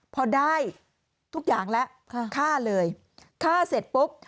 พอได้ทุกอย่างแล้วฆ่าเลยฆ่าเสร็จปุ๊บ